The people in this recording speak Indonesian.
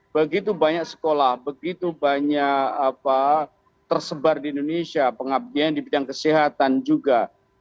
begitu banyak sekolah begitu banyak tersebar di indonesia pengabdian di bidang kesehatan juga